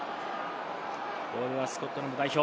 ボールはスコットランド代表。